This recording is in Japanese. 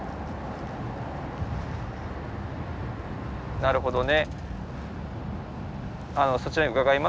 なるほどね。